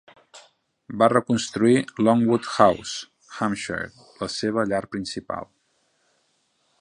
Va reconstruir Longwood House, Hampshire, la seva llar principal.